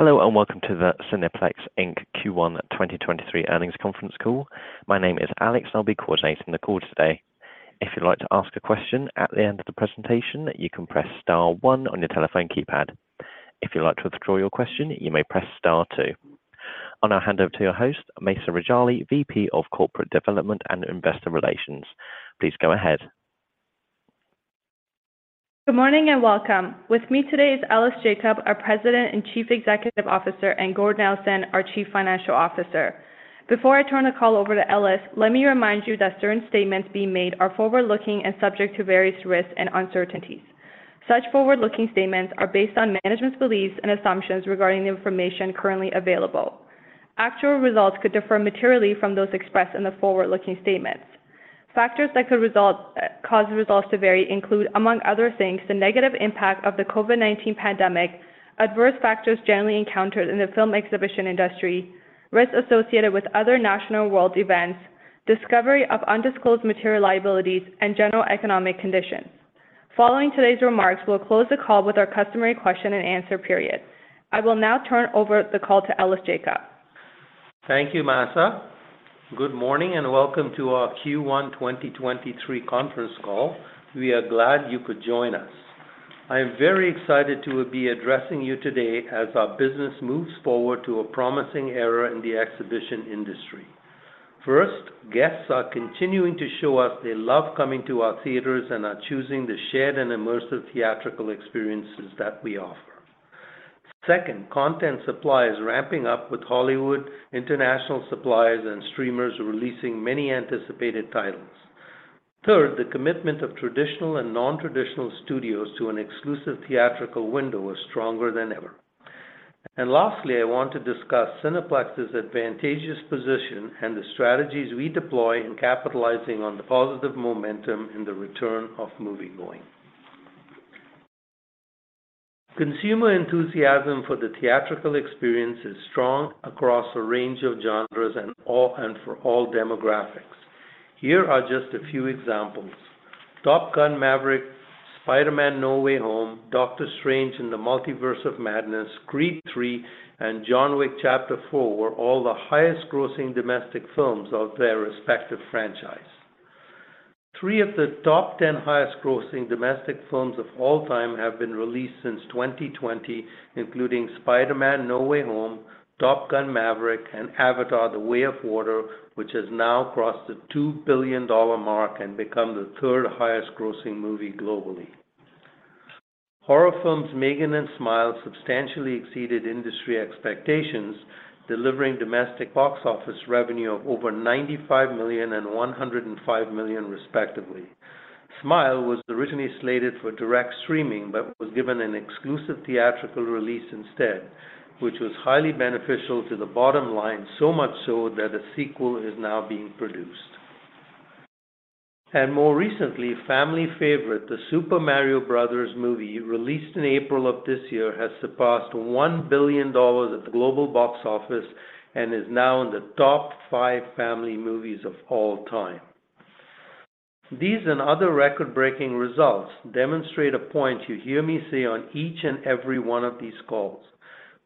Hello, and welcome to the Cineplex Inc. Q1 2023 Earnings Conference Call. My name is Alex, and I'll be coordinating the call today. If you'd like to ask a question at the end of the presentation, you can press star one on your telephone keypad. If you'd like to withdraw your question, you may press star two. I'll now hand over to your host, Mahsa Rejali, VP of Corporate Development and Investor Relations. Please go ahead. Good morning, and welcome. With me today is Ellis Jacob, our President and Chief Executive Officer, and Gord Nelson, our Chief Financial Officer. Before I turn the call over to Ellis, let me remind you that certain statements being made are forward-looking and subject to various risks and uncertainties. Such forward-looking statements are based on management's beliefs and assumptions regarding the information currently available. Actual results could differ materially from those expressed in the forward-looking statements. Factors that could cause results to vary include, among other things, the negative impact of the COVID-19 pandemic, adverse factors generally encountered in the film exhibition industry, risks associated with other national world events, discovery of undisclosed material liabilities, and general economic conditions. Following today's remarks, we'll close the call with our customary question and answer period. I will now turn over the call to Ellis Jacob. Thank you, Mahsa. Good morning, welcome to our Q1 2023 conference call. We are glad you could join us. I am very excited to be addressing you today as our business moves forward to a promising era in the exhibition industry. First, guests are continuing to show us they love coming to our theaters and are choosing the shared and immersive theatrical experiences that we offer. Second, content supply is ramping up with Hollywood, international suppliers, and streamers releasing many anticipated titles. Third, the commitment of traditional and non-traditional studios to an exclusive theatrical window is stronger than ever. Lastly, I want to discuss Cineplex's advantageous position and the strategies we deploy in capitalizing on the positive momentum in the return of moviegoing. Consumer enthusiasm for the theatrical experience is strong across a range of genres and for all demographics. Here are just a few examples. Top Gun: Maverick, Spider-Man: No Way Home, Doctor Strange in the Multiverse of Madness, Creed III, and John Wick: Chapter 4 were all the highest grossing domestic films of their respective franchise. Three of the top 10 highest grossing domestic films of all time have been released since 2020, including Spider-Man: No Way Home, Top Gun: Maverick, and Avatar: The Way of Water, which has now crossed the $2 billion mark and become the third highest grossing movie globally. Horror films M3GAN and Smile substantially exceeded industry expectations, delivering domestic box office revenue of over $95 million and $105 million respectively. Smile was originally slated for direct streaming but was given an exclusive theatrical release instead, which was highly beneficial to the bottom line, so much so that a sequel is now being produced. More recently, family favorite The Super Mario Bros. Movie, released in April of this year, has surpassed 1 billion dollars at the global box office and is now in the top five family movies of all time. These and other record-breaking results demonstrate a point you hear me say on each and every one of these calls.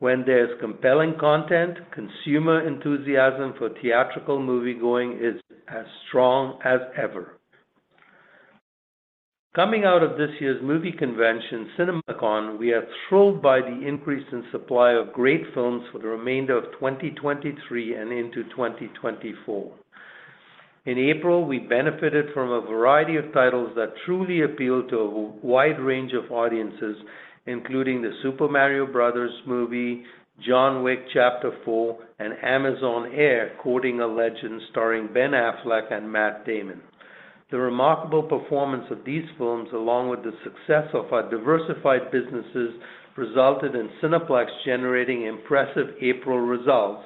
When there's compelling content, consumer enthusiasm for theatrical moviegoing is as strong as ever. Coming out of this year's movie convention, CinemaCon, we are thrilled by the increase in supply of great films for the remainder of 2023 and into 2024. In April, we benefited from a variety of titles that truly appeal to a wide range of audiences, including The Super Mario Bros. Movie, John Wick: Chapter 4, and Amazon Air: Courting a Legend, starring Ben Affleck and Matt Damon. The remarkable performance of these films, along with the success of our diversified businesses, resulted in Cineplex generating impressive April results,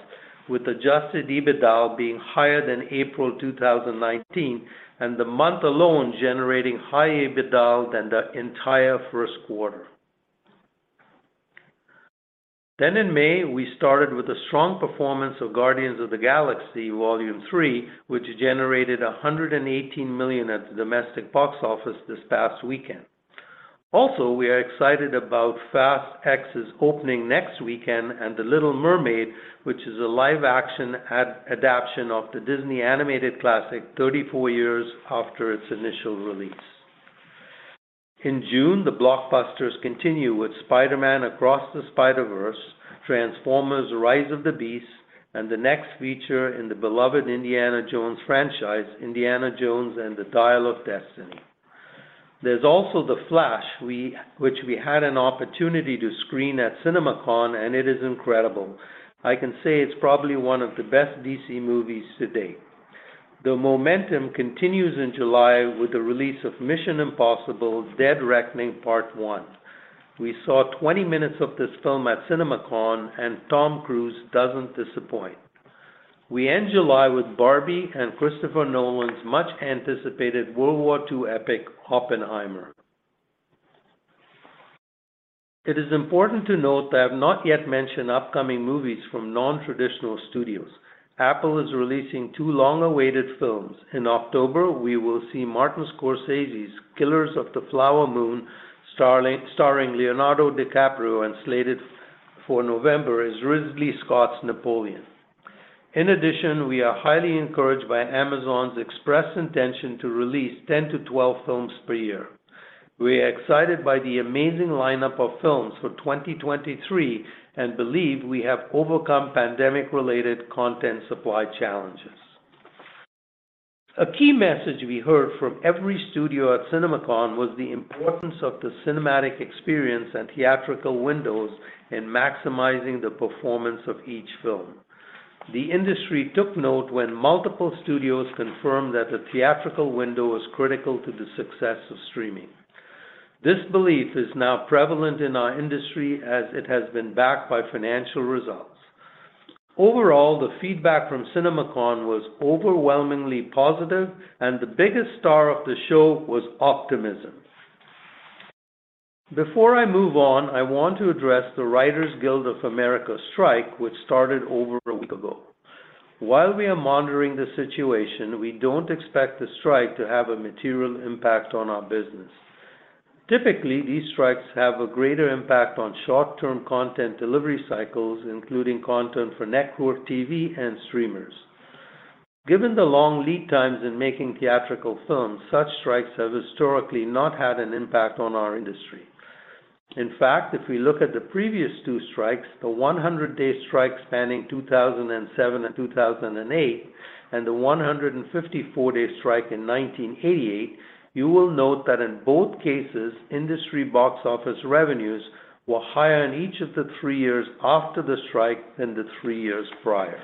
with adjusted EBITDA being higher than April 2019 and the month alone generating higher EBITDA than the entire first quarter. In May, we started with a strong performance of Guardians of the Galaxy Volume Three, which generated 118 million at the domestic box office this past weekend. Also, we are excited about Fast X's opening next weekend and The Little Mermaid, which is a live-action adaptation of the Disney animated classic 34 years after its initial release. In June, the blockbusters continue with Spider-Man: Across the Spider-Verse, Transformers: Rise of the Beasts, and the next feature in the beloved Indiana Jones franchise, Indiana Jones and the Dial of Destiny. There's also The Flash which we had an opportunity to screen at CinemaCon, and it is incredible. I can say it's probably one of the best DC movies to date. The momentum continues in July with the release of Mission: Impossible – Dead Reckoning Part One. We saw 20 minutes of this film at CinemaCon, and Tom Cruise doesn't disappoint. We end July with Barbie and Christopher Nolan's much-anticipated World War II epic, Oppenheimer. It is important to note that I have not yet mentioned upcoming movies from non-traditional studios. Apple is releasing two long-awaited films. In October, we will see Martin Scorsese's Killers of the Flower Moon, starring Leonardo DiCaprio, and slated for November is Ridley Scott's Napoleon. In addition, we are highly encouraged by Amazon's express intention to release 10 to 12 films per year. We are excited by the amazing lineup of films for 2023 and believe we have overcome pandemic-related content supply challenges. A key message we heard from every studio at CinemaCon was the importance of the cinematic experience and theatrical windows in maximizing the performance of each film. The industry took note when multiple studios confirmed that the theatrical window was critical to the success of streaming. This belief is now prevalent in our industry as it has been backed by financial results. Overall, the feedback from CinemaCon was overwhelmingly positive, and the biggest star of the show was optimism. Before I move on, I want to address the Writers Guild of America strike, which started over a week ago. While we are monitoring the situation, we don't expect the strike to have a material impact on our business. Typically, these strikes have a greater impact on short-term content delivery cycles, including content for network TV and streamers. Given the long lead times in making theatrical films, such strikes have historically not had an impact on our industry. In fact, if we look at the previous two strikes, the 100-day strike spanning 2007 and 2008, and the 154-day strike in 1988, you will note that in both cases, industry box office revenues were higher in each of the three years after the strike than the three years prior.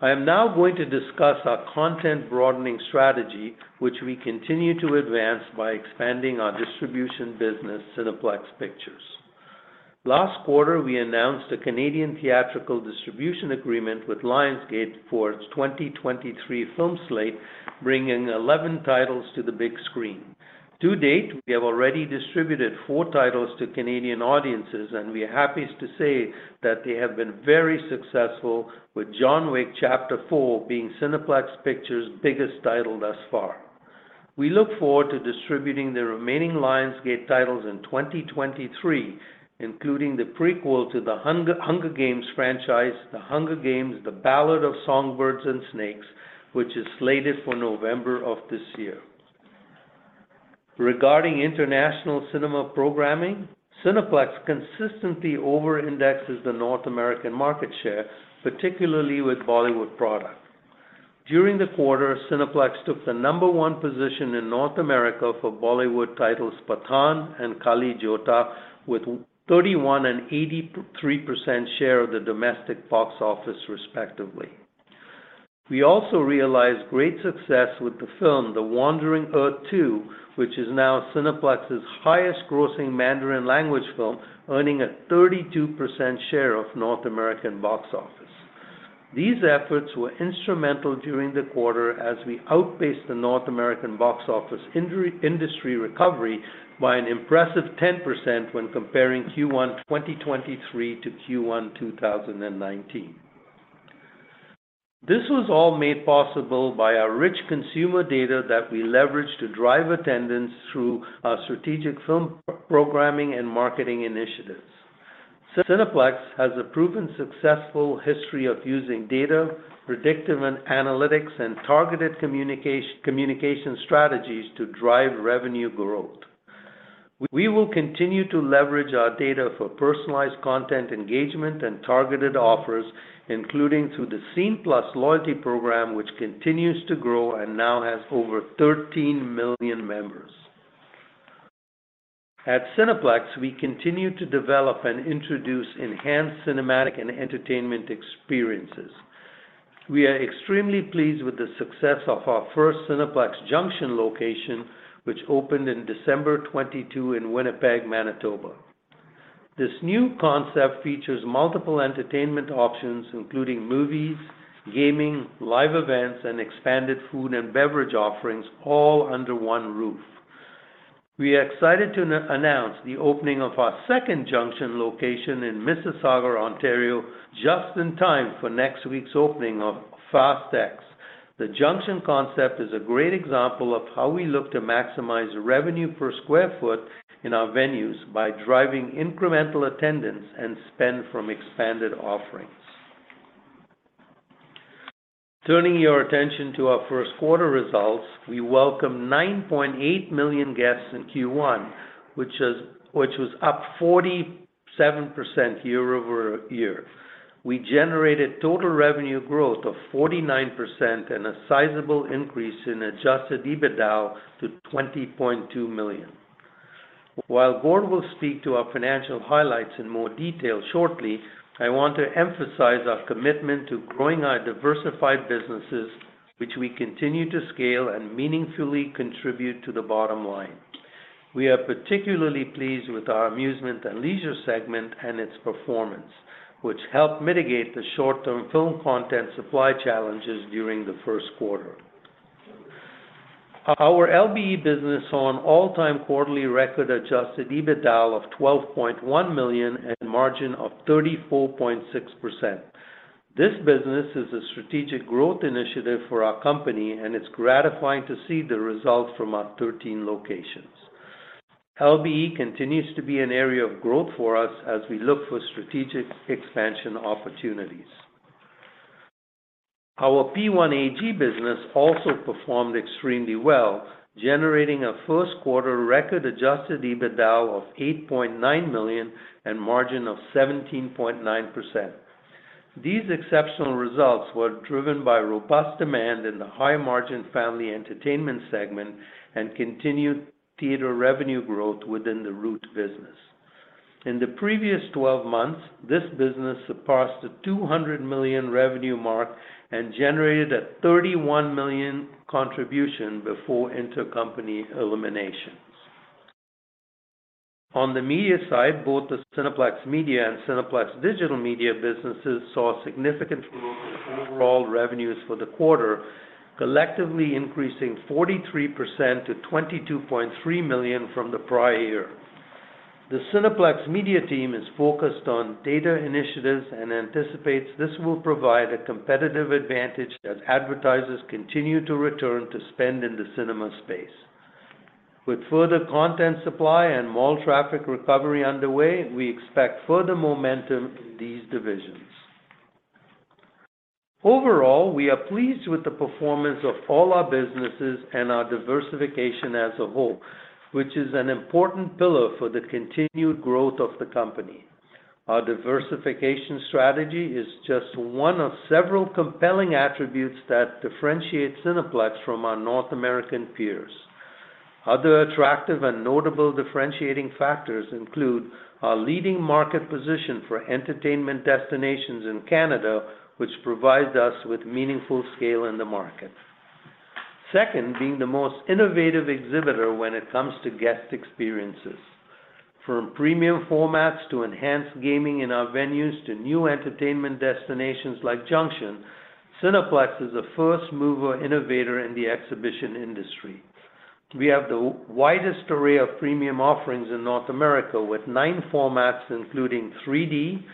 I am now going to discuss our content broadening strategy, which we continue to advance by expanding our distribution business, Cineplex Pictures. Last quarter, we announced a Canadian theatrical distribution agreement with Lionsgate for its 2023 film slate, bringing 11 titles to the big screen. To date, we have already distributed four titles to Canadian audiences, and we are happy to say that they have been very successful with John Wick: Chapter 4 being Cineplex Pictures' biggest title thus far. We look forward to distributing the remaining Lionsgate titles in 2023, including the prequel to the Hunger Games franchise, The Hunger Games: The Ballad of Songbirds & Snakes, which is slated for November of this year. Regarding international cinema programming, Cineplex consistently over-indexes the North American market share, particularly with Bollywood product. During the quarter, Cineplex took the number one position in North America for Bollywood titles Pathaan and Kali Jotta with 31% and 83% share of the domestic box office respectively. We also realized great success with the film The Wandering Earth II, which is now Cineplex's highest-grossing Mandarin language film, earning a 32% share of North American box office. These efforts were instrumental during the quarter as we outpaced the North American box office industry recovery by an impressive 10% when comparing Q1, 2023 to Q1, 2019. This was all made possible by our rich consumer data that we leveraged to drive attendance through our strategic film programming and marketing initiatives. Cineplex has a proven successful history of using data, predictive analytics, and targeted communication strategies to drive revenue growth. We will continue to leverage our data for personalized content engagement and targeted offers, including through the Scene+ loyalty program, which continues to grow and now has over 13 million members. At Cineplex, we continue to develop and introduce enhanced cinematic and entertainment experiences. We are extremely pleased with the success of our first Cineplex Junxion location, which opened in December 2022 in Winnipeg, Manitoba. This new concept features multiple entertainment options, including movies, gaming, live events, and expanded food and beverage offerings all under one roof. We are excited to announce the opening of our second Junction location in Mississauga, Ontario, just in time for next week's opening of Fast X. The Junction concept is a great example of how we look to maximize revenue per square foot in our venues by driving incremental attendance and spend from expanded offerings. Turning your attention to our first quarter results, we welcomed 9.8 million guests in Q1, which was up 47% year-over-year. We generated total revenue growth of 49% and a sizable increase in adjusted EBITDA to 20.2 million. While Gord will speak to our financial highlights in more detail shortly, I want to emphasize our commitment to growing our diversified businesses, which we continue to scale and meaningfully contribute to the bottom line. We are particularly pleased with our amusement and leisure segment and its performance, which helped mitigate the short-term film content supply challenges during the first quarter. Our LBE business on all-time quarterly record adjusted EBITDA of 12.1 million and margin of 34.6%. This business is a strategic growth initiative for our company, and it's gratifying to see the results from our 13 locations. LBE continues to be an area of growth for us as we look for strategic expansion opportunities. Our P1AG business also performed extremely well, generating a first quarter record adjusted EBITDA of 8.9 million and margin of 17.9%. These exceptional results were driven by robust demand in the high-margin family entertainment segment and continued theater revenue growth within the root business. In the previous 12 months, this business surpassed the 200 million revenue mark and generated a 31 million contribution before intercompany eliminations. On the media side, both the Cineplex Media and Cineplex Digital Media businesses saw significant growth in overall revenues for the quarter, collectively increasing 43% to 22.3 million from the prior year. The Cineplex Media team is focused on data initiatives and anticipates this will provide a competitive advantage as advertisers continue to return to spend in the cinema space. With further content supply and mall traffic recovery underway, we expect further momentum in these divisions. Overall, we are pleased with the performance of all our businesses and our diversification as a whole, which is an important pillar for the continued growth of the company. Our diversification strategy is just one of several compelling attributes that differentiate Cineplex from our North American peers. Other attractive and notable differentiating factors include our leading market position for entertainment destinations in Canada, which provides us with meaningful scale in the market. Second, being the most innovative exhibitor when it comes to guest experiences. From premium formats to enhanced gaming in our venues to new entertainment destinations like Junxion, Cineplex is a first-mover innovator in the exhibition industry. We have the widest array of premium offerings in North America with nine formats including 3D,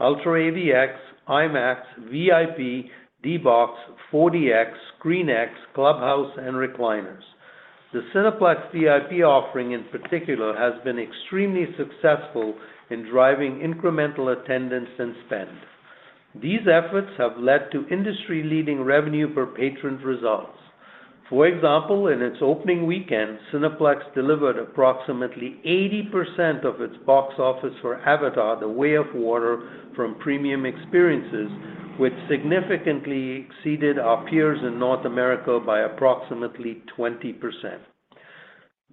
UltraAVX, IMAX, VIP, D-BOX, 4DX, ScreenX, Clubhouse, and Recliners. The Cineplex VIP offering, in particular, has been extremely successful in driving incremental attendance and spend. These efforts have led to industry-leading revenue per patron results. For example, in its opening weekend, Cineplex delivered approximately 80% of its box office for Avatar: The Way of Water from premium experiences, which significantly exceeded our peers in North America by approximately 20%.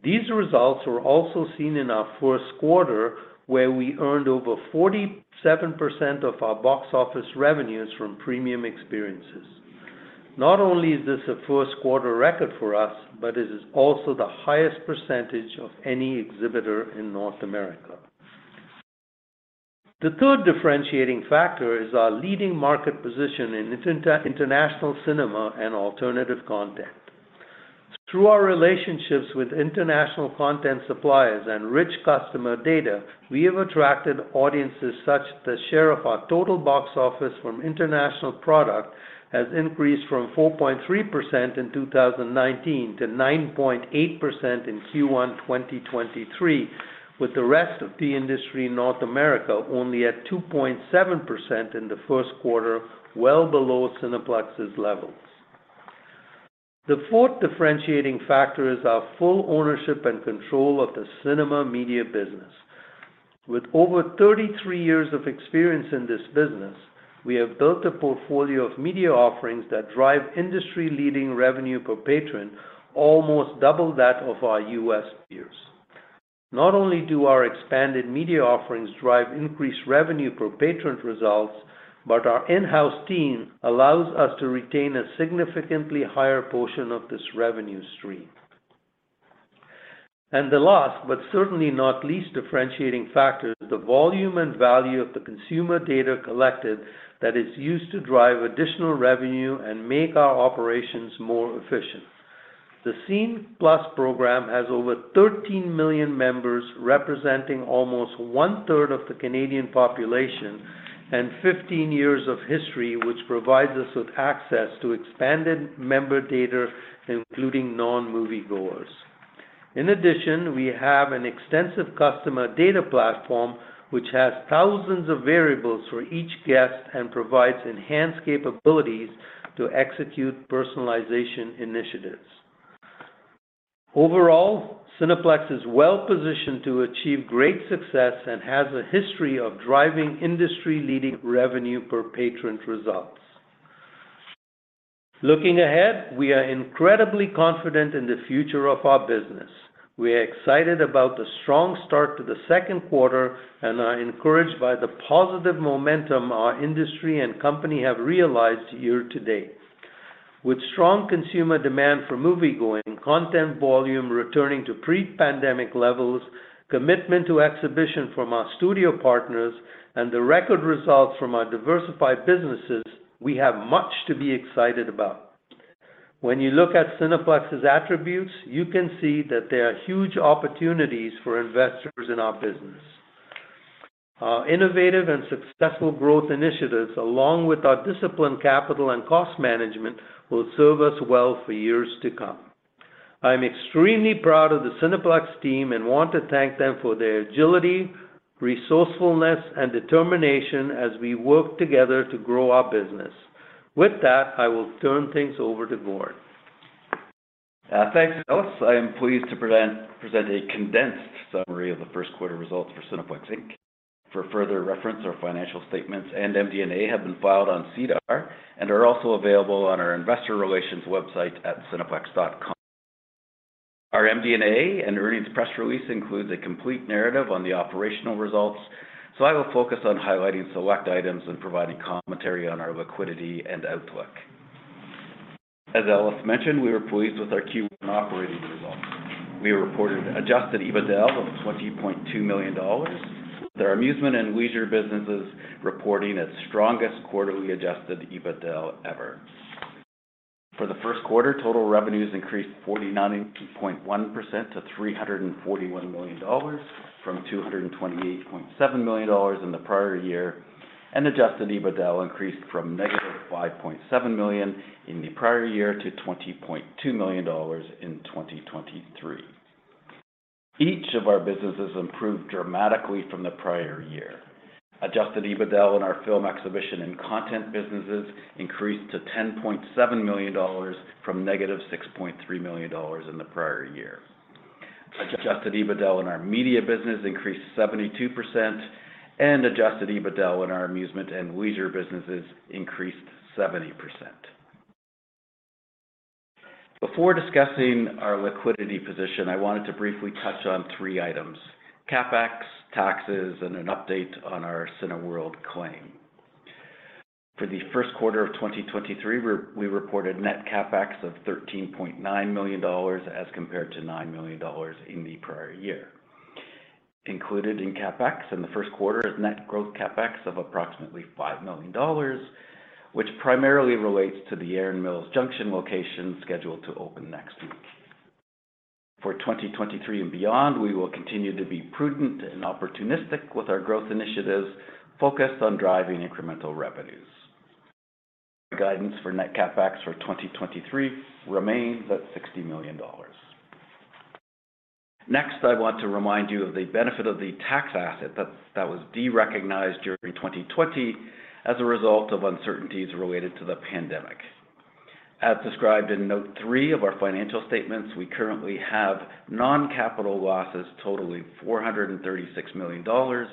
These results were also seen in our first quarter, where we earned over 47% of our box office revenues from premium experiences. Not only is this a first-quarter record for us, but it is also the highest percentage of any exhibitor in North America. The third differentiating factor is our leading market position in inter-international cinema and alternative content. Through our relationships with international content suppliers and rich customer data, we have attracted audiences such that share of our total box office from international product has increased from 4.3% in 2019 to 9.8% in Q1 2023, with the rest of the industry in North America only at 2.7% in the first quarter, well below Cineplex's levels. The fourth differentiating factor is our full ownership and control of the cinema media business. With over 33 years of experience in this business, we have built a portfolio of media offerings that drive industry-leading revenue per patron, almost double that of our U.S. peers. Not only do our expanded media offerings drive increased revenue per patron results, but our in-house team allows us to retain a significantly higher portion of this revenue stream. The last, but certainly not least differentiating factor, the volume and value of the consumer data collected that is used to drive additional revenue and make our operations more efficient. The Scene+ program has over 13 million members representing almost one-third of the Canadian population and 15 years of history, which provides us with access to expanded member data, including non-moviegoers. In addition, we have an extensive customer data platform which has 1,000 of variables for each guest and provides enhanced capabilities to execute personalization initiatives. Overall, Cineplex is well-positioned to achieve great success and has a history of driving industry-leading revenue per patron results. Looking ahead, we are incredibly confident in the future of our business. We are excited about the strong start to the second quarter and are encouraged by the positive momentum our industry and company have realized year to date. With strong consumer demand for moviegoing, content volume returning to pre-pandemic levels, commitment to exhibition from our studio partners, and the record results from our diversified businesses. We have much to be excited about. When you look at Cineplex's attributes, you can see that there are huge opportunities for investors in our business. Our innovative and successful growth initiatives, along with our disciplined capital and cost management, will serve us well for years to come. I'm extremely proud of the Cineplex team and want to thank them for their agility, resourcefulness, and determination as we work together to grow our business. With that, I will turn things over to Gord. Thanks, Ellis. I am pleased to present a condensed summary of the first quarter results for Cineplex Inc. For further reference, our financial statements and MD&A have been filed on SEDAR and are also available on our investor relations website at cineplex.com. Our MD&A and earnings press release includes a complete narrative on the operational results. I will focus on highlighting select items and providing commentary on our liquidity and outlook. As Ellis mentioned, we were pleased with our Q1 operating results. We reported adjusted EBITDA of 20.2 million dollars, with our amusement and leisure businesses reporting its strongest quarterly adjusted EBITDA ever. For the first quarter, total revenues increased 49.1% to CAD 341 million from CAD 228.7 million in the prior year, and adjusted EBITDA increased from negative 5.7 million in the prior year to 20.2 million dollars in 2023. Each of our businesses improved dramatically from the prior year. Adjusted EBITDA in our film exhibition and content businesses increased to 10.7 million dollars from negative 6.3 million dollars in the prior year. Adjusted EBITDA in our media business increased 72%, and adjusted EBITDA in our amusement and leisure businesses increased 70%. Before discussing our liquidity position, I wanted to briefly touch on three items: CapEx, taxes, and an update on our Cineworld claim. For the first quarter of 2023, we reported net CapEx of 13.9 million dollars as compared to 9 million dollars in the prior year. Included in CapEx in the first quarter is net growth CapEx of approximately 5 million dollars, which primarily relates to the Erin Mills Junction location scheduled to open next week. For 2023 and beyond, we will continue to be prudent and opportunistic with our growth initiatives focused on driving incremental revenues. Guidance for net CapEx for 2023 remains at CAD 60 million. Next, I want to remind you of the benefit of the tax asset that was derecognized during 2020 as a result of uncertainties related to the pandemic. As described in note three of our financial statements, we currently have non-capital losses totaling 436 million dollars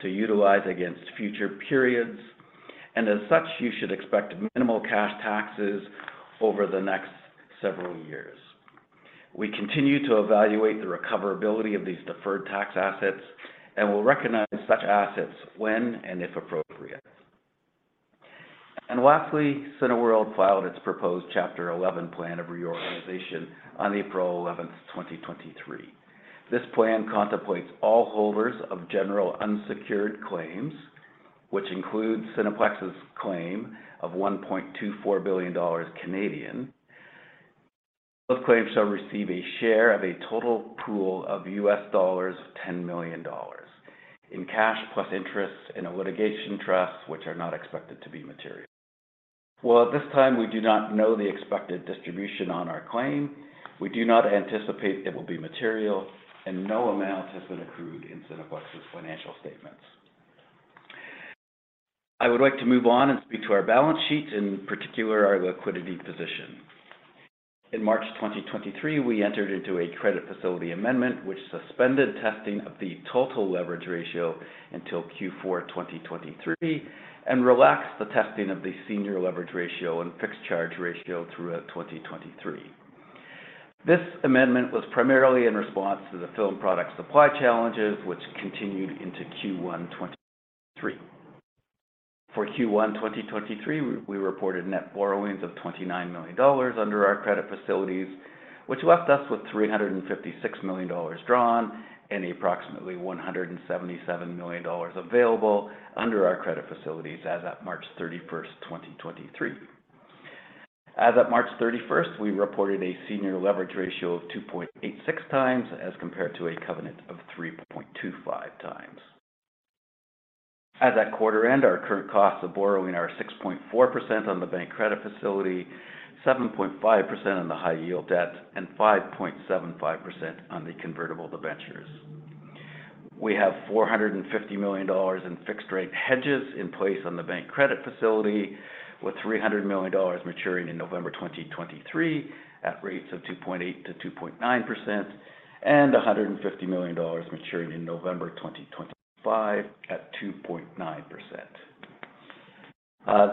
to utilize against future periods, and as such, you should expect minimal cash taxes over the next several years. We continue to evaluate the recoverability of these deferred tax assets and will recognize such assets when and if appropriate. Lastly, Cineworld filed its proposed Chapter 11 plan of reorganization on April 11th, 2023. This plan contemplates all holders of general unsecured claims, which includes Cineplex's claim of 1.24 billion Canadian dollars. Those claims shall receive a share of a total pool of CAD 10 million in cash plus interest in a litigation trust, which are not expected to be material. While at this time we do not know the expected distribution on our claim, we do not anticipate it will be material, and no amount has been accrued in Cineplex's financial statements. I would like to move on and speak to our balance sheet, in particular, our liquidity position. In March 2023, we entered into a credit facility amendment, which suspended testing of the total leverage ratio until Q4 2023 and relaxed the testing of the senior leverage ratio and fixed charge ratio throughout 2023. This amendment was primarily in response to the film product supply challenges, which continued into Q1 2023. For Q1 2023, we reported net borrowings of 29 million dollars under our credit facilities, which left us with 356 million dollars drawn and approximately 177 million dollars available under our credit facilities as at March 31st, 2023. As at March 31st, we reported a senior leverage ratio of 2.86 times as compared to a covenant of 3.25 times. As at quarter end, our current costs of borrowing are 6.4% on the bank credit facility, 7.5% on the high-yield debt, and 5.75% on the convertible debentures. We have 450 million dollars in fixed-rate hedges in place on the bank credit facility, with 300 million dollars maturing in November 2023 at rates of 2.8%-2.9% and CAD 150 million maturing in November 2025 at 2.9%.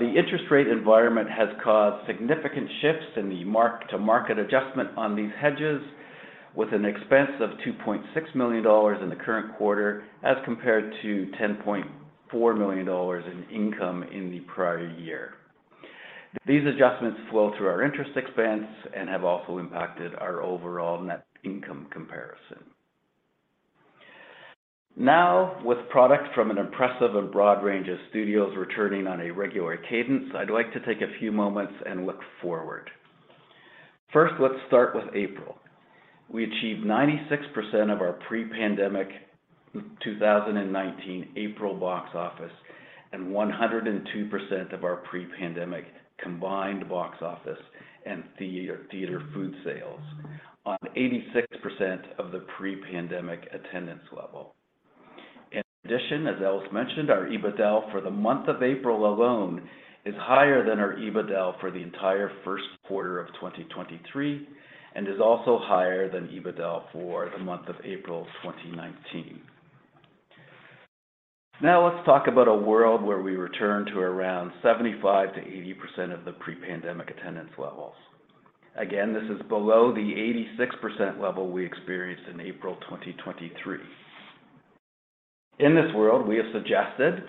The interest rate environment has caused significant shifts in the mark-to-market adjustment on these hedges with an expense of 2.6 million dollars in the current quarter as compared to 10.4 million dollars in income in the prior year. These adjustments flow through our interest expense and have also impacted our overall net income comparison. With products from an impressive and broad range of studios returning on a regular cadence, I'd like to take a few moments and look forward. First, let's start with April. We achieved 96% of our pre-pandemic 2019 April box office and 102% of our pre-pandemic combined box office and theater food sales on 86% of the pre-pandemic attendance level. In addition, as Ellis mentioned, our EBITDA for the month of April alone is higher than our EBITDA for the entire first quarter of 2023 and is also higher than EBITDA for the month of April 2019. Let's talk about a world where we return to around 75%-80% of the pre-pandemic attendance levels. This is below the 86% level we experienced in April 2023. In this world, we have suggested,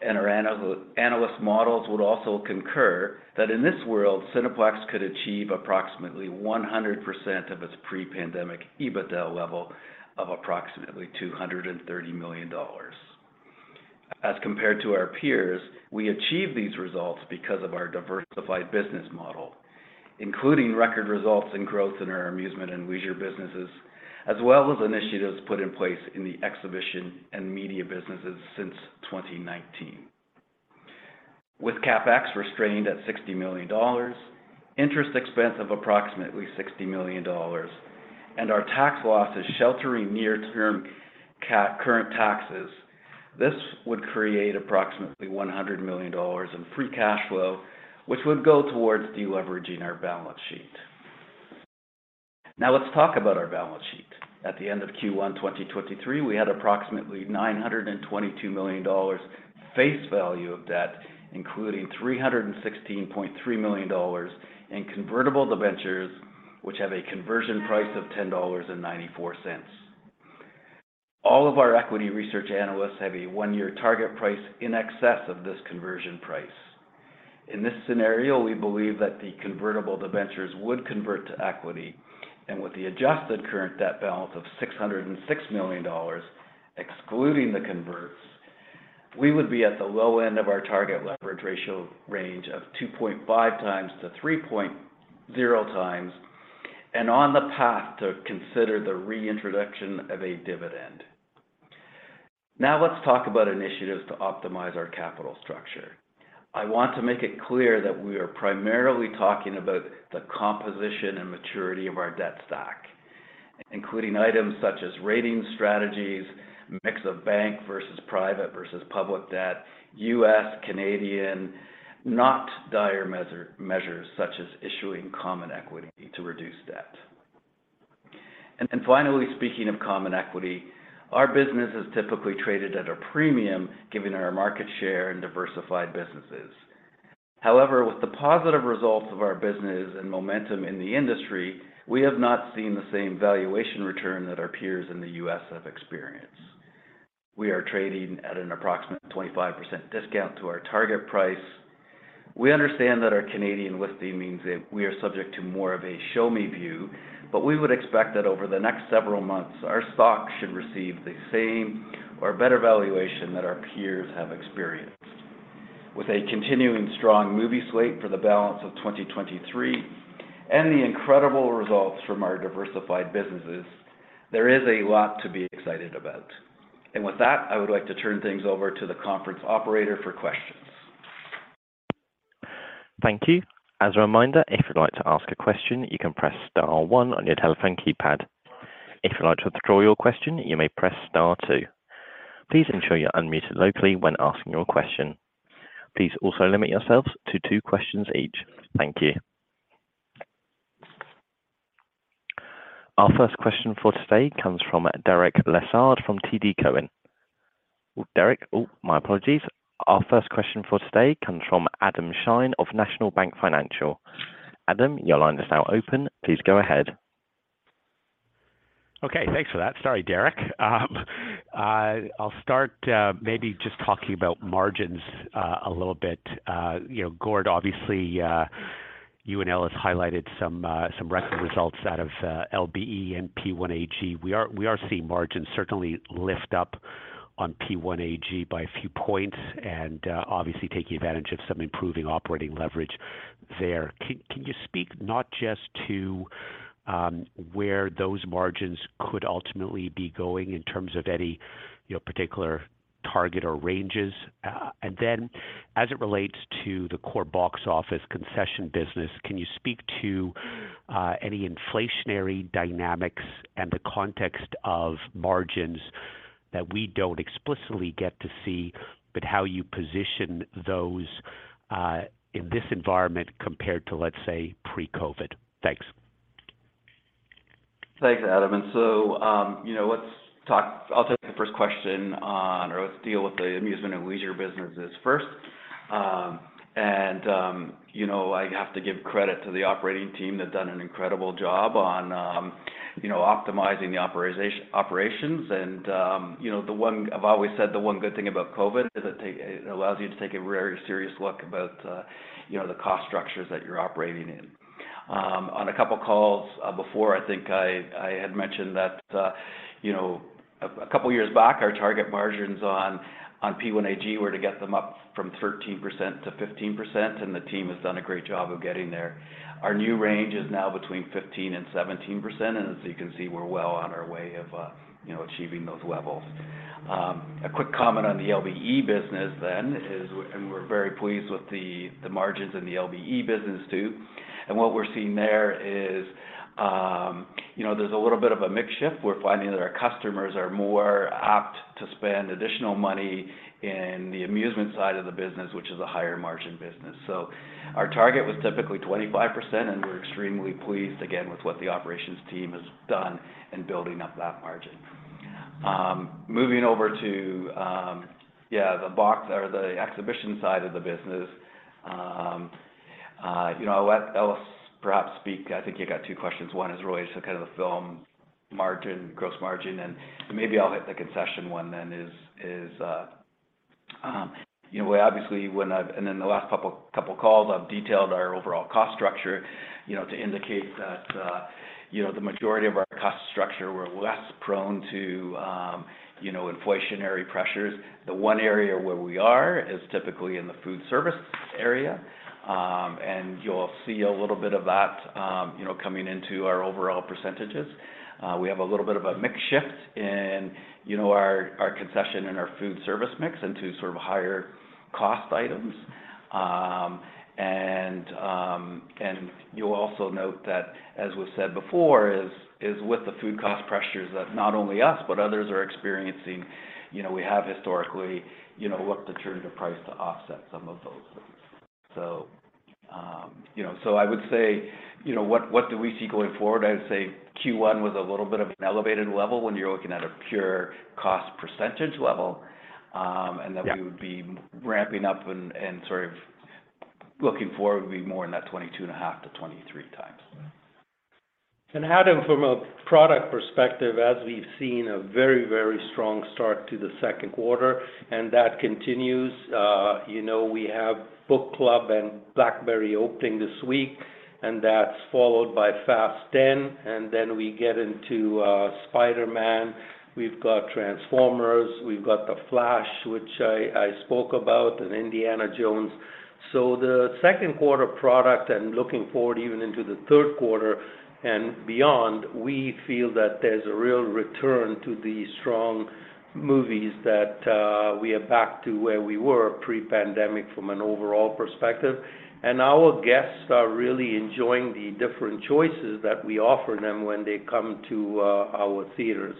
and our analyst models would also concur, that in this world, Cineplex could achieve approximately 100% of its pre-pandemic EBITDA level of approximately 230 million dollars. As compared to our peers, we achieve these results because of our diversified business model, including record results and growth in our amusement and leisure businesses, as well as initiatives put in place in the exhibition and media businesses since 2019. With CapEx restrained at $60 million, interest expense of approximately 60 million dollars, and our tax losses sheltering near-term current taxes, this would create approximately $100 million in free cash flow, which would go towards deleveraging our balance sheet. Now let's talk about our balance sheet. At the end of Q1 2023, we had approximately $922 million face value of debt, including $316.3 million in convertible debentures, which have a conversion price of $10.94. All of our equity research analysts have a one-year target price in excess of this conversion price. In this scenario, we believe that the convertible debentures would convert to equity, and with the adjusted current debt balance of $606 million, excluding the converts, we would be at the low end of our target leverage ratio range of 2.5x-3.0x and on the path to consider the reintroduction of a dividend. Let's talk about initiatives to optimize our capital structure. I want to make it clear that we are primarily talking about the composition and maturity of our debt stock, including items such as rating strategies, mix of bank versus private versus public debt, U.S., Canadian, not dire measures such as issuing common equity to reduce debt. Finally, speaking of common equity, our business is typically traded at a premium given our market share and diversified businesses. However, with the positive results of our business and momentum in the industry, we have not seen the same valuation return that our peers in the U.S. have experienced. We are trading at an approximate 25% discount to our target price. We understand that our Canadian listing means that we are subject to more of a show-me view, but we would expect that over the next several months, our stock should receive the same or better valuation that our peers have experienced. With a continuing strong movie slate for the balance of 2023 and the incredible results from our diversified businesses, there is a lot to be excited about. With that, I would like to turn things over to the conference operator for questions. Thank you. As a reminder, if you'd like to ask a question, you can press star one on your telephone keypad. If you'd like to withdraw your question, you may press star two. Please ensure you're unmuted locally when asking your question. Please also limit yourselves to two questions each. Thank you. Our first question for today comes from Derek Lessard from TD Cowen. Derek. My apologies. Our first question for today comes from Adam Shine of National Bank Financial. Adam, your line is now open. Please go ahead. Okay, thanks for that. Sorry, Derek. I'll start maybe just talking about margins a little bit. You know, Gord, obviously, you and Ellis highlighted some record results out of LBE and P1AG. We are seeing margins certainly lift up on P1AG by a few points and obviously taking advantage of some improving operating leverage there. Can you speak not just to where those margins could ultimately be going in terms of any, you know, particular target or ranges? Then as it relates to the core box office concession business, can you speak to any inflationary dynamics and the context of margins that we don't explicitly get to see, but how you position those in this environment compared to, let's say, pre-COVID-19? Thanks. Thanks, Adam. You know, I'll take the first question on or let's deal with the amusement and leisure businesses first. You know, I have to give credit to the operating team. They've done an incredible job on, you know, optimizing the operations. You know, I've always said the one good thing about COVID is it allows you to take a very serious look about, you know, the cost structures that you're operating in. On a couple of calls before, I think I had mentioned that, you know, a couple of years back, our target margins on P1AG were to get them up from 13% to 15%, and the team has done a great job of getting there. Our new range is now between 15% and 17%, as you can see, we're well on our way of, you know, achieving those levels. A quick comment on the LBE business then is we're very pleased with the margins in the LBE business too. What we're seeing there is, you know, there's a little bit of a mix shift. We're finding that our customers are more apt to spend additional money in the amusement side of the business, which is a higher margin business. Our target was typically 25%, we're extremely pleased again with what the operations team has done in building up that margin. Moving over to, yeah, the box or the exhibition side of the business. You know, I'll let Ellis perhaps speak. I think you got two questions. One is really sort of the film margin, gross margin. Maybe I'll hit the concession one then is, you know, we obviously and in the last couple of calls, I've detailed our overall cost structure, you know, to indicate that, you know, the majority of our cost structure, we're less prone to, you know, inflationary pressures. The one area where we are is typically in the food service area. You'll see a little bit of that, you know, coming into our overall percentages. We have a little bit of a mix shift in, you know, our concession and our food service mix into sort of higher cost items. You'll also note that, as we've said before, is with the food cost pressures that not only us, but others are experiencing. You know, we have historically, you know, looked to turn the price to offset some of those. You know, I would say, you know, what do we see going forward? I would say Q1 was a little bit of an elevated level when you're looking at a pure cost percentage level. Yeah. We would be ramping up and sort of looking forward, it would be more in that 22.5x-23x. Adam, from a product perspective, as we've seen a very, very strong start to the second quarter, and that continues, you know, we have Book Club and BlackBerry opening this week, and that's followed by Fast X, and then we get into Spider-Man. We've got Transformers, we've got The Flash, which I spoke about, and Indiana Jones. The second quarter product, and looking forward even into the third quarter and beyond, we feel that there's a real return to the strong movies that we are back to where we were pre-pandemic from an overall perspective. Our guests are really enjoying the different choices that we offer them when they come to our theaters.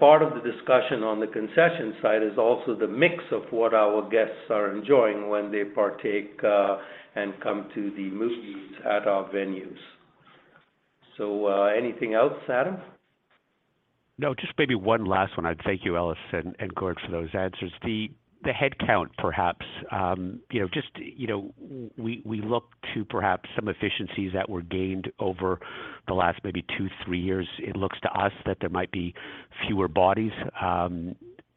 Part of the discussion on the concession side is also the mix of what our guests are enjoying when they partake, and come to the movies at our venues. Anything else, Adam? No, just maybe one last one. I thank you, Ellis and Gord, for those answers. The, the headcount, perhaps. You know, just, you know, we look to perhaps some efficiencies that were gained over the last maybe two, three years. It looks to us that there might be fewer bodies,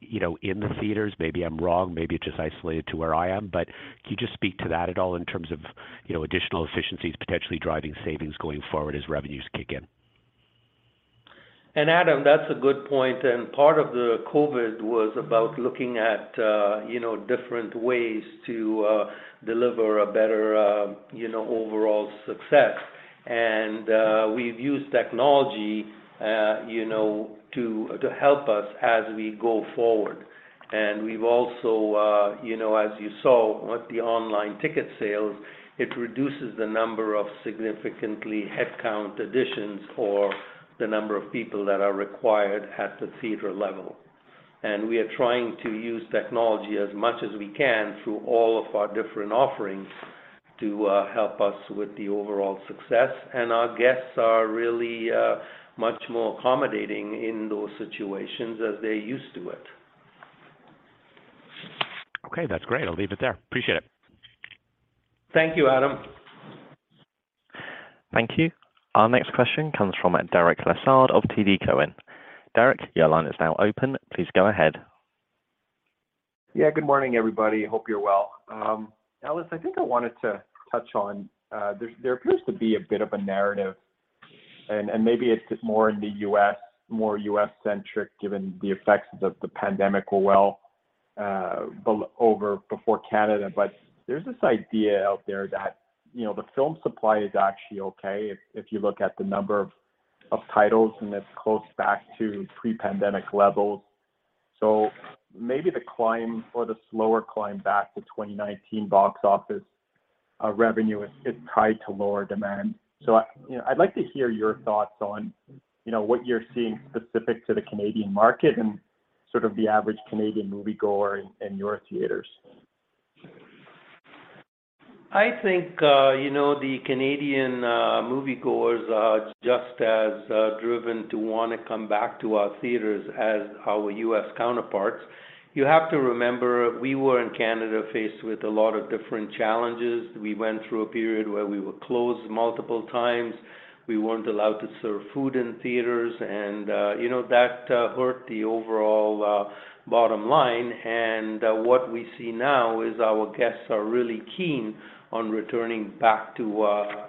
you know, in the theaters. Maybe I'm wrong, maybe it's just isolated to where I am. Can you just speak to that at all in terms of, you know, additional efficiencies potentially driving savings going forward as revenues kick in? Adam, that's a good point. Part of the COVID was about looking at, you know, different ways to deliver a better, you know, overall success. We've used technology, you know, to help us as we go forward. We've also, you know, as you saw with the online ticket sales, it reduces the number of significantly headcount additions or the number of people that are required at the theater level. We are trying to use technology as much as we can through all of our different offerings to help us with the overall success. Our guests are really much more accommodating in those situations as they're used to it. Okay. That's great. I'll leave it there. Appreciate it. Thank you, Adam. Thank you. Our next question comes from, Derek Lessard of TD Cowen. Derek, your line is now open. Please go ahead. Yeah. Good morning, everybody. Hope you're well. Ellis, I think I wanted to touch on, there appears to be a bit of a narrative, and maybe it's more in the U.S., more U.S.-centric, given the effects of the pandemic were well over before Canada. There's this idea out there that, you know, the film supply is actually okay if you look at the number of titles, and it's close back to pre-pandemic levels. Maybe the climb or the slower climb back to 2019 box office revenue is tied to lower demand. I, you know, I'd like to hear your thoughts on, you know, what you're seeing specific to the Canadian market and sort of the average Canadian moviegoer in your theaters. I think, you know, the Canadian moviegoers are just as driven to wanna come back to our theaters as our U.S. counterparts. You have to remember, we were in Canada, faced with a lot of different challenges. We went through a period where we were closed multiple times. We weren't allowed to serve food in theaters and, you know, that hurt the overall bottom line. What we see now is our guests are really keen on returning back to,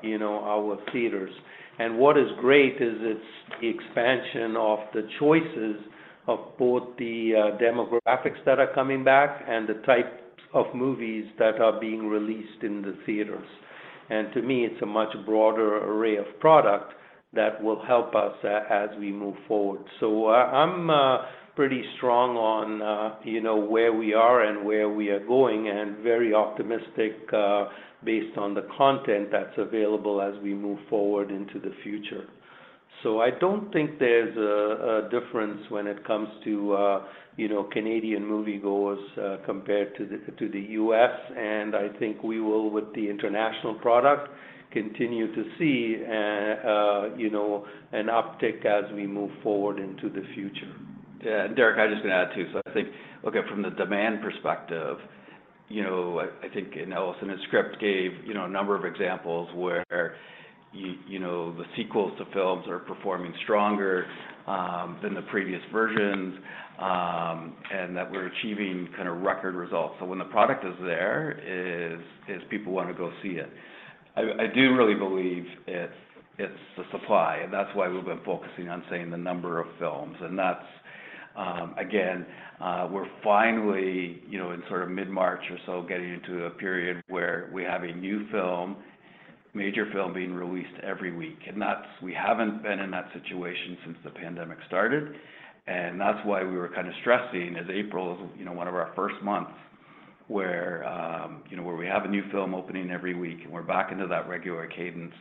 you know, our theaters. What is great is it's the expansion of the choices of both the demographics that are coming back and the types of movies that are being released in the theaters. To me, it's a much broader array of product that will help us as we move forward. I'm pretty strong on, you know, where we are and where we are going, and very optimistic, based on the content that's available as we move forward into the future. I don't think there's a difference when it comes to, you know, Canadian moviegoers, compared to the U.S., and I think we will with the international product, continue to see a, you know, an uptick as we move forward into the future. Yeah, Derek, I was just gonna add too. I think, look it from the demand perspective, you know, I think and Ellis in his script gave, you know, a number of examples where you know, the sequels to films are performing stronger than the previous versions, and that we're achieving kind of record results. When the product is there, is people wanna go see it. I do really believe it's the supply, and that's why we've been focusing on seeing the number of films. That's, again, we're finally, you know, in sort of mid-March or so getting into a period where we have a new film, major film being released every week. We haven't been in that situation since the pandemic started, and that's why we were kind of stressing as April is, you know, one of our first months where, you know, where we have a new film opening every week, and we're back into that regular cadence,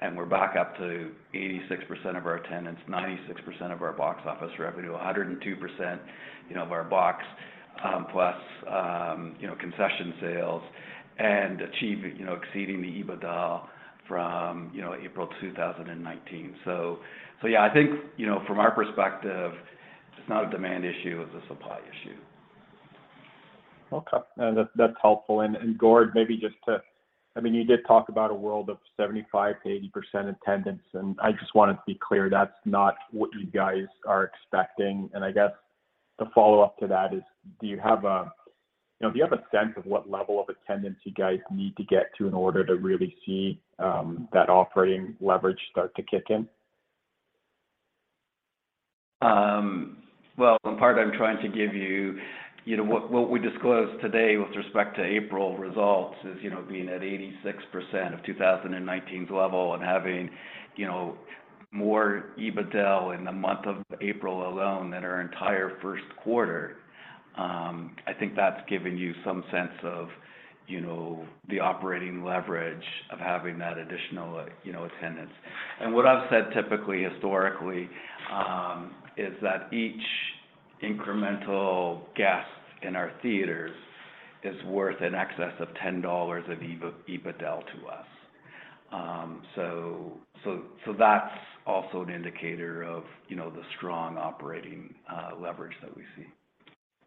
and we're back up to 86% of our attendance, 96% of our box office revenue, 102%, you know, of our box, plus, you know, concession sales and achieve, you know, exceeding the EBITDA from, you know, April 2019. Yeah, I think, you know, from our perspective, it's not a demand issue, it's a supply issue. Okay. No, that's helpful. Gord, maybe just to... I mean, you did talk about a world of 75%-80% attendance, I just wanted to be clear, that's not what you guys are expecting. I guess the follow-up to that is, do you have a sense of what level of attendance you guys need to get to in order to really see, that operating leverage start to kick in? Well, in part I'm trying to give you know, what we disclosed today with respect to April results is, you know, being at 86% of 2019's level and having, you know, more EBITDA in the month of April alone than our entire first quarter. I think that's given you some sense of, you know, the operating leverage of having that additional, you know, attendance. What I've said typically, historically, is that each incremental guest in our theaters is worth in excess of $10 of EBITDA to us. That's also an indicator of, you know, the strong operating leverage that we see.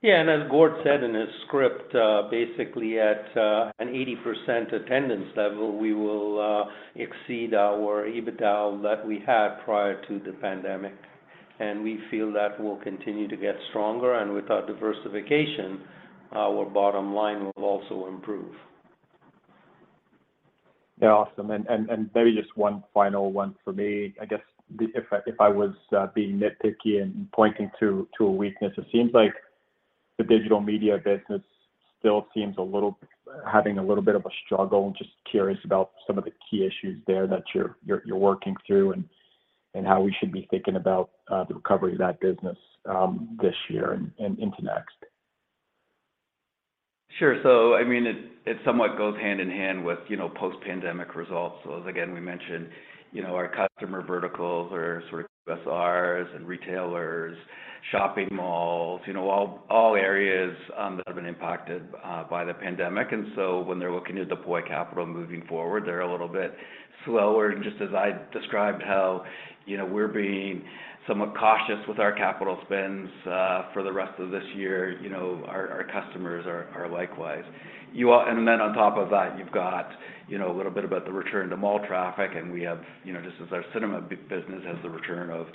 Yeah. As Gord said in his script, basically at an 80% attendance level, we will exceed our EBITDA that we had prior to the pandemic. We feel that will continue to get stronger, and with our diversification, our bottom line will also improve. Yeah. Awesome. Maybe just one final one for me. I guess if I was being nitpicky and pointing to a weakness, it seems like the Digital Media business still seems having a little bit of a struggle. Just curious about some of the key issues there that you're working through and how we should be thinking about the recovery of that business this year and into next. Sure. I mean, it somewhat goes hand in hand with, you know, post-pandemic results. As again, we mentioned, you know, our customer verticals are sort of SRs and retailers, shopping malls, you know, all areas that have been impacted by the pandemic. When they're looking to deploy capital moving forward, they're a little bit slower. Just as I described how, you know, we're being somewhat cautious with our capital spends for the rest of this year, you know, our customers are likewise. On top of that, you've got, you know, a little bit about the return to mall traffic, and we have, you know, just as our cinema business has the return of,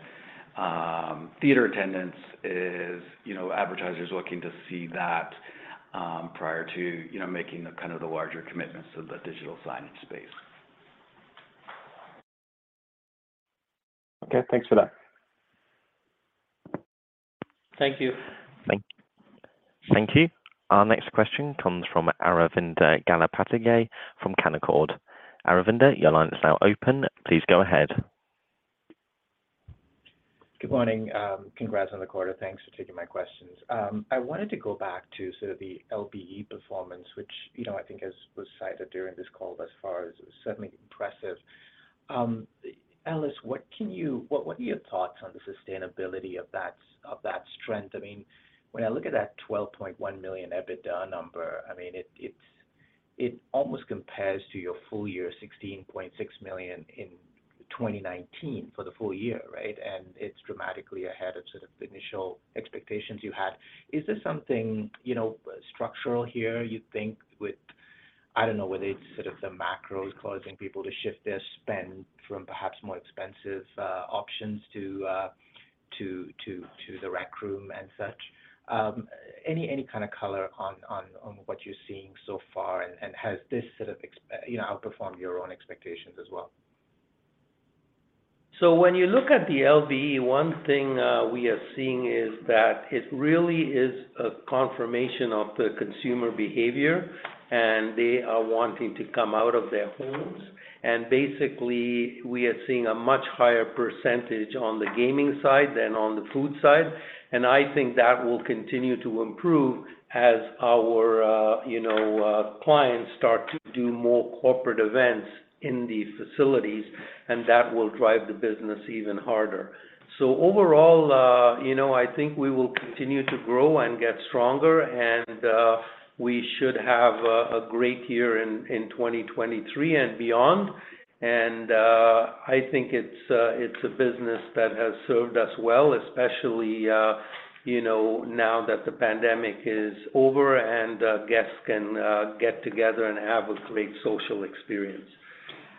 theater attendance is, you know, advertisers looking to see that, prior to, you know, making the kind of the larger commitments of the digital signage space. Okay. Thanks for that. Thank you. Thank. Thank you. Our next question comes from Aravinda Galappatthige from Canaccord. Aravinda, your line is now open. Please go ahead. Good morning. Congrats on the quarter. Thanks for taking my questions. I wanted to go back to sort of the LBE performance, which, you know, I think as was cited during this call thus far as it was certainly impressive. Ellis, what are your thoughts on the sustainability of that strength? I mean, when I look at that $12.1 million EBITDA number, I mean, it almost compares to your full year $16.6 million in 2019 for the full year, right? It's dramatically ahead of sort of the initial expectations you had. Is this something, you know, structural here, you think with I don't know whether it's sort of the macro is causing people to shift their spend from perhaps more expensive options to The Rec Room and such. Any kind of color on what you're seeing so far, and has this sort of you know, outperformed your own expectations as well? When you look at the LBE, one thing we are seeing is that it really is a confirmation of the consumer behavior, they are wanting to come out of their homes. Basically, we are seeing a much higher percentage on the gaming side than on the food side. I think that will continue to improve as our, you know, clients start to do more corporate events in these facilities, and that will drive the business even harder. Overall, you know, I think we will continue to grow and get stronger and we should have a great year in 2023 and beyond. I think it's a business that has served us well, especially, you know, now that the pandemic is over and guests can get together and have a great social experience.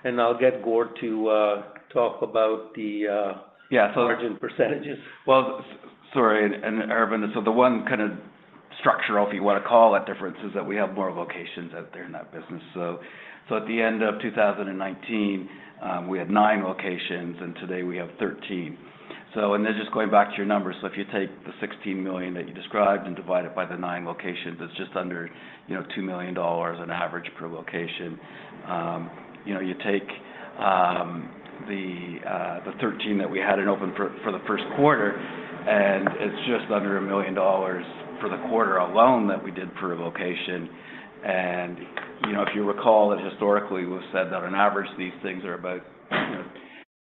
I'll get Gord to talk about. Yeah. Margin percentages. Sorry, Arvind, the one kind of structural, if you wanna call it, difference is that we have more locations out there in that business. At the end of 2019, we had nine locations, and today we have 13. Then just going back to your numbers, if you take the 16 million that you described and divide it by the nine locations, it's just under, you know, 2 million dollars in average per location. You know, you take the 13 that we had in open for the first quarter, and it's just under 1 million dollars for the quarter alone that we did per location. You know, if you recall that historically we've said that on average these things are about, you know,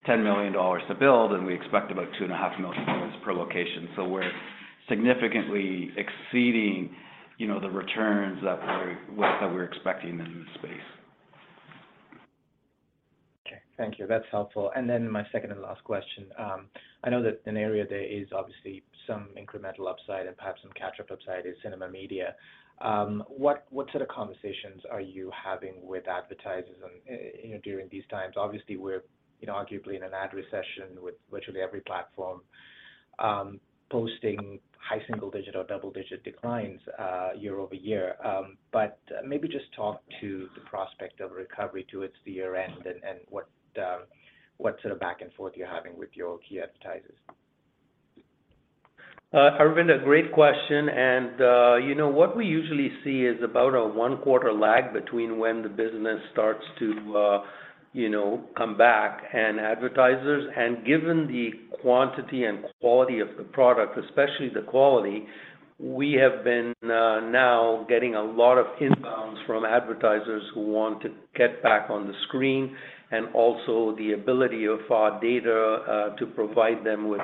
10 million dollars to build, and we expect about two and a half million dollars per location. We're significantly exceeding, you know, the returns that we're expecting in this space. Okay. Thank you. That's helpful. My second and last question. I know that an area there is obviously some incremental upside and perhaps some catch-up upside is cinema media. What sort of conversations are you having with advertisers and, you know, during these times? Obviously, we're, you know, arguably in an ad recession with virtually every platform posting high single-digit or double-digit declines year-over-year. Maybe just talk to the prospect of recovery towards the year-end and what sort of back and forth you're having with your key advertisers. Arvind, a great question. you know, what we usually see is about a one-quarter lag between when the business starts to, you know, come back and advertisers. Given the quantity and quality of the product, especially the quality, we have been now getting a lot of inbounds from advertisers who want to get back on the screen and also the ability of our data to provide them with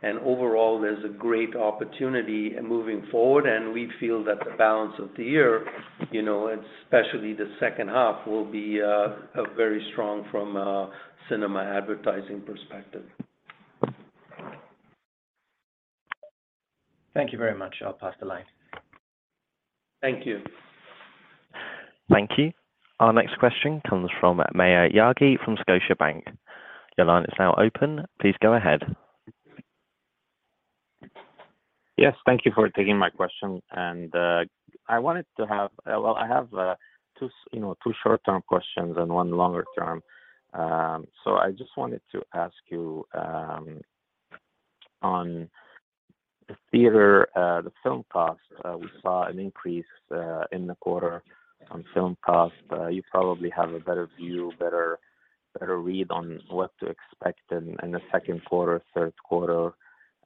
feedback. Overall, there's a great opportunity moving forward, and we feel that the balance of the year, you know, especially the second half, will be a very strong from a cinema advertising perspective. Thank you very much. I'll pass the line. Thank you. Thank you. Our next question comes from Maher Yaghi from Scotiabank. Your line is now open. Please go ahead. Yes. Thank you for taking my question. I have two short-term questions and one longer term. I just wanted to ask you on the theater, the film cost. We saw an increase in the quarter on film cost. You probably have a better view, better read on what to expect in the second quarter, third quarter.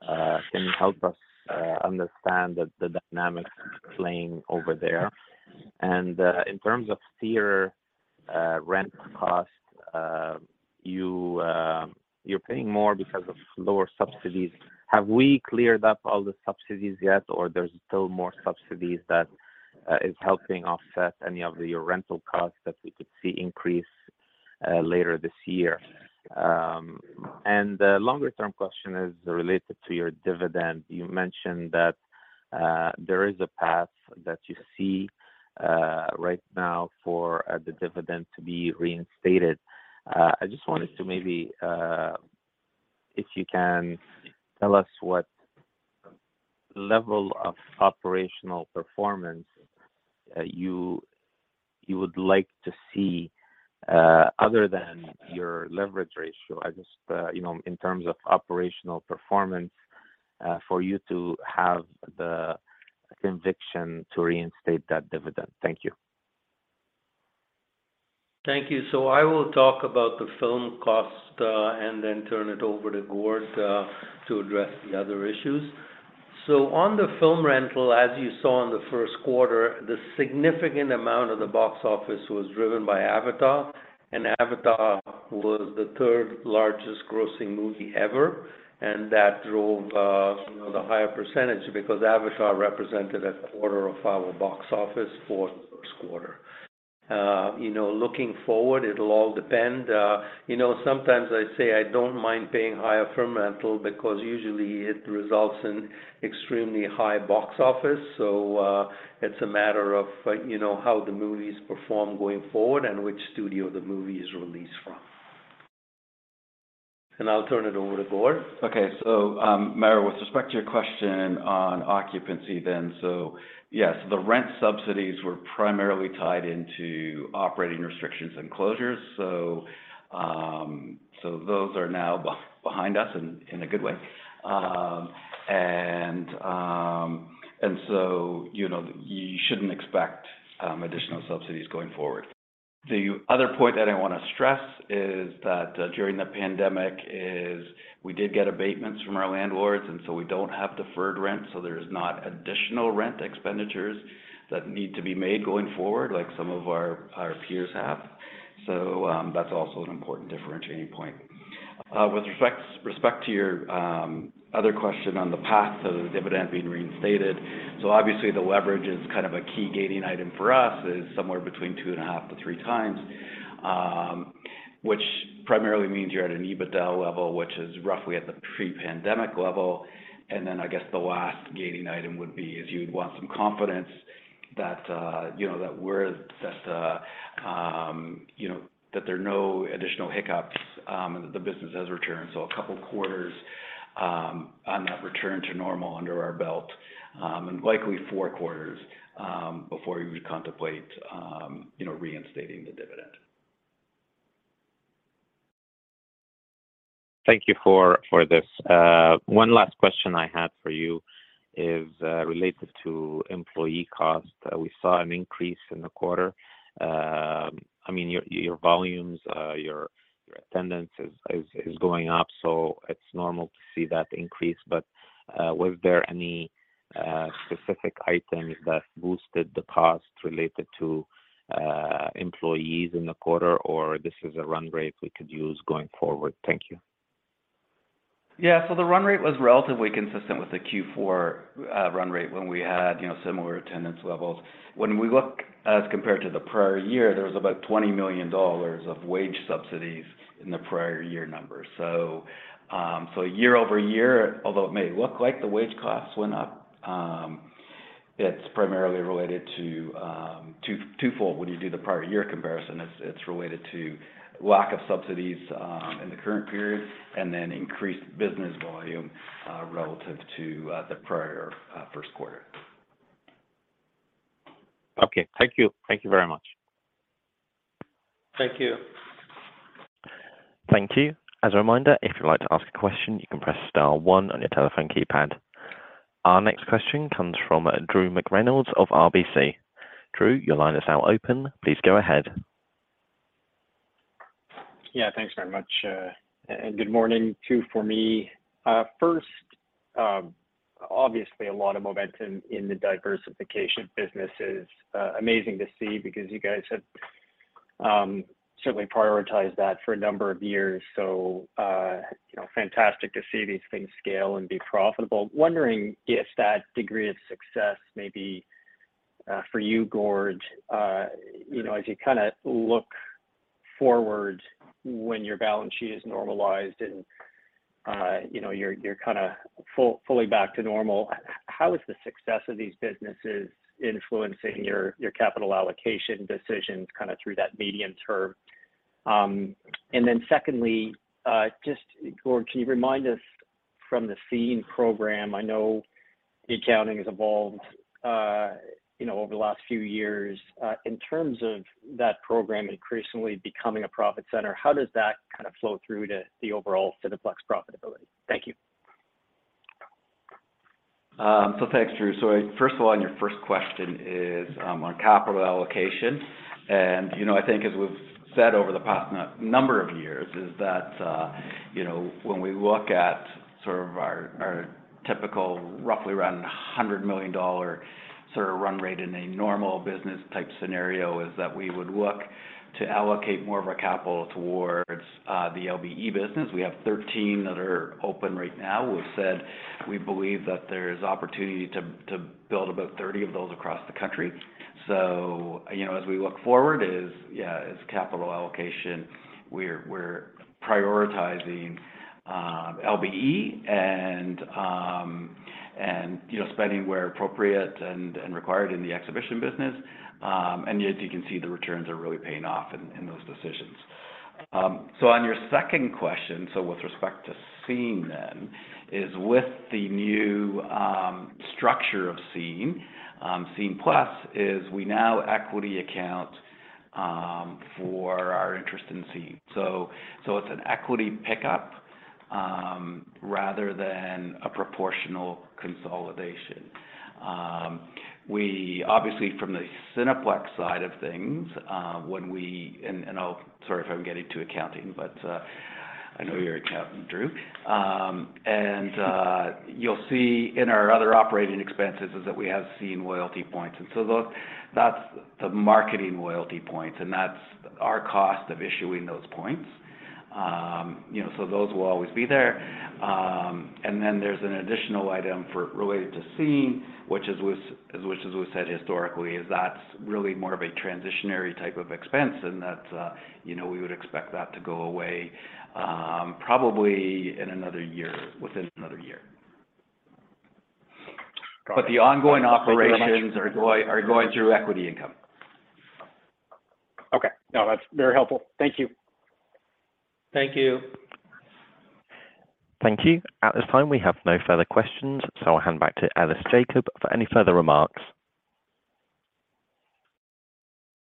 Can you help us understand the dynamics playing over there? In terms of theater rent cost, you are paying more because of lower subsidies. Have we cleared up all the subsidies yet or there's still more subsidies that is helping offset any of your rental costs that we could see increase later this year? The longer-term question is related to your dividend. You mentioned that there is a path that you see right now for the dividend to be reinstated. I just wanted to maybe if you can tell us what level of operational performance you would like to see other than your leverage ratio. I just, you know, in terms of operational performance, for you to have the conviction to reinstate that dividend. Thank you. Thank you. I will talk about the film cost, and then turn it over to Gord to address the other issues. On the film rental, as you saw in the first quarter, the significant amount of the box office was driven by Avatar. Avatar was the third largest grossing movie ever, and that drove, you know, the higher percentage because Avatar represented a quarter of our box office for the first quarter. you know, looking forward, it'll all depend. you know, sometimes I say I don't mind paying higher for rental because usually it results in extremely high box office. it's a matter of, you know, how the movies perform going forward and which studio the movie is released from. I'll turn it over to Gord. Maher, with respect to your question on occupancy, yes. The rent subsidies were primarily tied into operating restrictions and closures. Those are now behind us in a good way. You know, you shouldn't expect additional subsidies going forward. The other point that I wanna stress is that during the pandemic is we did get abatements from our landlords, we don't have deferred rent, there's not additional rent expenditures that need to be made going forward like some of our peers have. That's also an important differentiating point. With respect to your other question on the path of the dividend being reinstated, obviously the leverage is kind of a key gating item for us, is somewhere between 2.5-three times. Which primarily means you're at an EBITDA level, which is roughly at the pre-pandemic level. Then I guess the last gating item would be is you'd want some confidence that, you know, that we're at the, you know, that there are no additional hiccups and that the business has returned. A couple quarters on that return to normal under our belt, and likely four quarters before we would contemplate, you know, reinstating the dividend. Thank you for this. One last question I had for you is related to employee cost. We saw an increase in the quarter. I mean, your volumes, your attendance is going up, so it's normal to see that increase. Was there any specific items that boosted the cost related to employees in the quarter, or this is a run rate we could use going forward? Thank you. The run rate was relatively consistent with the Q4 run rate when we had, you know, similar attendance levels. When we look as compared to the prior year, there was about 20 million dollars of wage subsidies in the prior year numbers. year-over-year, although it may look like the wage costs went up, it's primarily related to twofold when you do the prior year comparison. It's related to lack of subsidies in the current period, and then increased business volume relative to the prior first quarter. Okay. Thank you. Thank you very much. Thank you. Thank you. As a reminder, if you'd like to ask a question, you can press star one on your telephone keypad. Our next question comes from Drew McReynolds of RBC. Drew, your line is now open. Please go ahead. Yeah, thanks very much. Good morning too for me. First, obviously a lot of momentum in the diversification businesses. Amazing to see because you guys have certainly prioritized that for a number of years. You know, fantastic to see these things scale and be profitable. Wondering if that degree of success maybe, for you, Gord, you know, as you kinda look forward when your balance sheet is normalized and, you know, you're kinda fully back to normal, how is the success of these businesses influencing your capital allocation decisions kinda through that medium term? Secondly, just, Gord, can you remind us from the Scene program, I know the accounting has evolved, you know, over the last few years? In terms of that program increasingly becoming a profit center, how does that kind of flow through to the overall Cineplex profitability? Thank you. Thanks, Drew. First of all, on your first question is on capital allocation. You know, I think as we've said over the past n-number of years is that, you know, when we look at sort of our typical roughly around 100 million dollar sort of run rate in a normal business type scenario is that we would look to allocate more of our capital towards the LBE business. We have 13 that are open right now. We've said we believe that there's opportunity to build about 30 of those across the country. You know, as we look forward is, yeah, is capital allocation. We're prioritizing LBE and, you know, spending where appropriate and required in the exhibition business. And as you can see, the returns are really paying off in those decisions. On your second question, so with respect to Scene then, is with the new structure of Scene+ is we now equity account for our interest in Scene. It's an equity pickup, rather than a proportional consolidation. We obviously, from the Cineplex side of things, when we. Sorry if I'm getting too accounting, but I know you're an accountant, Drew. You'll see in our other operating expenses is that we have Scene loyalty points. Those, that's the marketing loyalty points, and that's our cost of issuing those points. You know, those will always be there. Then there's an additional item for related to Scene, which as we've said historically, is that's really more of a transitionary type of expense, and that, you know, we would expect that to go away, probably in another year, within another year. The ongoing operations are going through equity income. Okay. No, that's very helpful. Thank you. Thank you. Thank you. At this time, we have no further questions. I'll hand back to Ellis Jacob for any further remarks.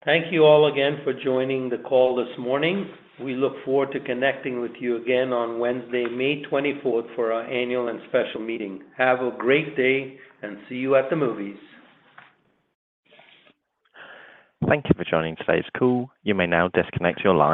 Thank you all again for joining the call this morning. We look forward to connecting with you again on Wednesday, May 24th for our annual and special meeting. Have a great day, and see you at the movies. Thank you for joining today's call. You may now disconnect your line.